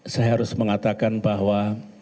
saya harus mengatakan bahwa